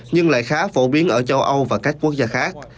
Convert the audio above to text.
nhưng cũng được sử dụng ở châu âu và các quốc gia khác